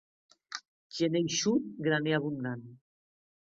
Gener eixut, graner abundant.